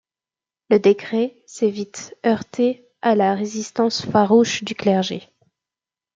Le décret s'est vite heurté à la résistance farouche du clergé.